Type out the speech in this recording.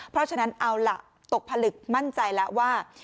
เพราะฉะนั้นเอาล่ะตกผลึกมั่นใจแล้วว่า